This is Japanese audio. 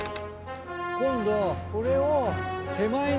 今度これを。